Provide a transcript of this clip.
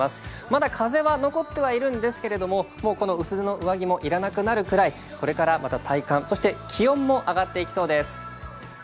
まだ風は残っているんですけど薄手の上着もいらなくなるぐらいこれからまた体感、そして気温も上がっていきそうです。